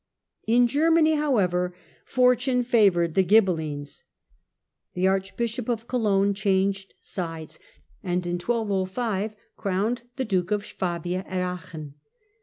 In Germany, however, fortune favoured the Ghibelines. The Archbishop of Cologne changed sides, and in 1205 crowned the Duke of Swabia at Aachen.